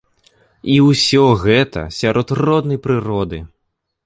І ўсё гэта сярод роднай прыроды.